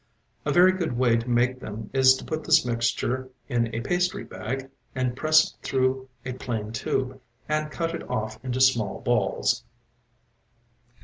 A very good way to make them is to put this mixture in a pastry bag and press it through a plain tube, and cut it off into small balls.